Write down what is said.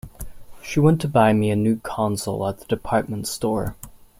She went to buy me a new console at the department store.